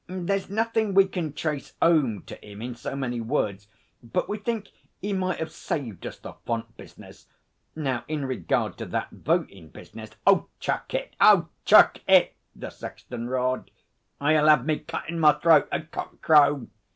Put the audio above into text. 'There's nothin' we can trace 'ome to 'im in so many words, but we think he might 'ave saved us the font business. Now, in regard to that votin' business ' 'Chuck it! Oh, chuck it!' the sexton roared, 'or you'll 'ave me cuttin' my throat at cock crow.